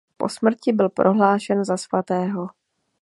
Po smrti byl prohlášen za svatého.